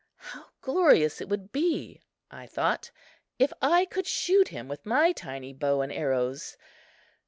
How glorious it would be, I thought, if I could shoot him with my tiny bow and arrows!